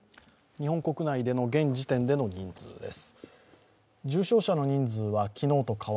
日本国内での現時点での人数です。